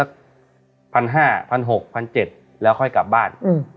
ค่อยกลับบ้าน